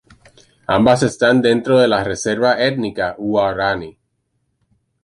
Ambas están dentro de la Reserva Étnica Huaorani.